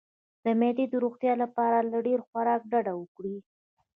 د معدې د روغتیا لپاره له ډیر خوراک ډډه وکړئ